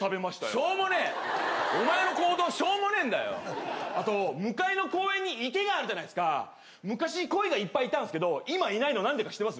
しょうもねえお前の行動しょうもねえんだよあと向かいの公園に池があるじゃないすか昔コイがいっぱいいたんすけど今いないのなんでか知ってます？